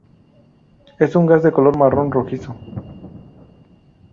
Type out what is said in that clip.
Es un gas de color marrón rojizo.